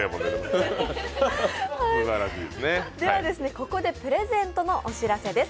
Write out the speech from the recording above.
ここでプレゼントのお知らせです。